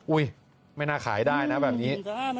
ไม่น่าขายได้นะแบบนี้